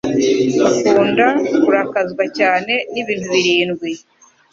bakunda kurakazwa cyane n'ibintbirindwi